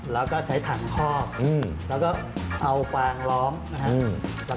แล้วก็ใช้ถังคอกแล้วก็เอากวางล้อมนะครับ